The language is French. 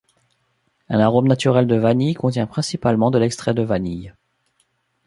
Un arôme naturel de vanille contient principalement de l'extrait de vanille.